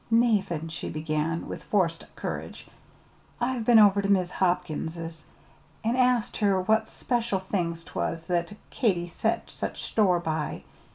"Nathan," she began, with forced courage, "I've been over to Mis' Hopkins's an' asked her what special things 'twas that Katy set such store by.